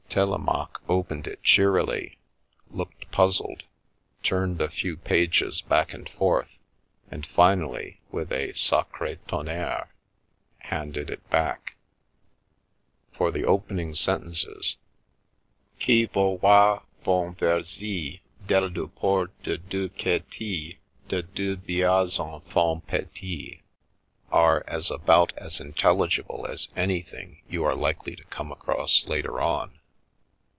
Telemaque opened it cheerily, looked puzzled, turned a few pages back and forth, and finally, with a " Sacre tonnere !" handed it back. For the open ing sentences, "Qui vauroit bons vers oir del deport, du duel caitif de deus biax en fans petis ..." are as about as intelligible as anything you are likely to come across later on.